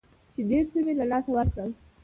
چې ډېر څه مې له لاسه ورکړل.